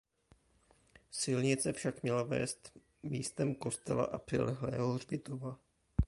Silnice však měla vést místem kostela a přilehlého hřbitova.